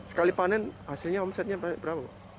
sekali panen hasilnya omsetnya pakai berapa